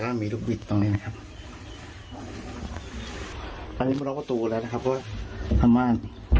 แบบนี้มีลูกบิดตรงนี้นะครับ